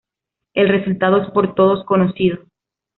El resultado es por todos conocido.